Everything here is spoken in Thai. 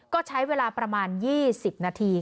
ก็ใช้เวลาประมาณ๒๐นาที